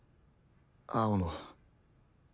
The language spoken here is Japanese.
青野。